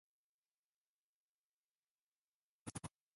An automatic transmission option was also added.